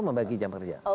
membagi jam kerja